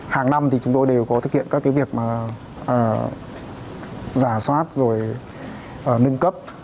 hàng năm thì chúng tôi đều có thực hiện các cái việc mà giả soát rồi nâng cấp